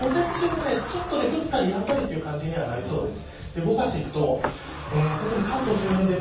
午前中もちょっと降ったりやんだりという感じになりそうです。